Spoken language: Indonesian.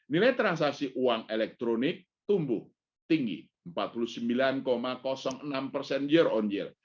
nilai transaksi uang elektronik tumbuh tinggi empat puluh sembilan enam persen year on year